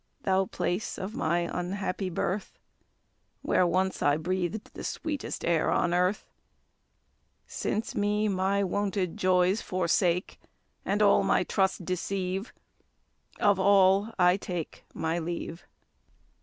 thou place of my unhappy birth, Where once I breathed the sweetest air on earth; Since me my wonted joys forsake, And all my trust deceive; Of all I take My leave.